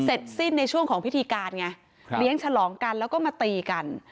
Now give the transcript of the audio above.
เสร็จสิ้นในช่วงของพิธีการไงเลี้ยงฉลองกันแล้วก็มาตีกัน